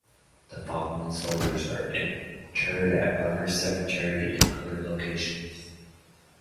The following soldiers are interred at Runners Cemetery and other locations.